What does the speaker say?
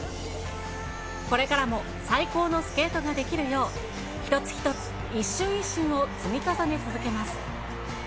これからも最高のスケートができるよう、一つ一つ、一瞬一瞬を積み重ね続けます。